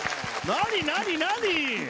何、何、何。